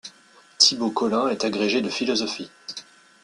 Thibaud Collin est agrégé de philosophie.